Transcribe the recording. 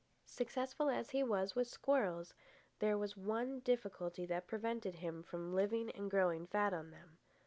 Successful as he was with squirrels, there was one difficulty that prevented him from living and growing fat on them.